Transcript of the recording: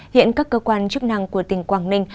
hiện các cơ quan chức năng của tỉnh quảng ninh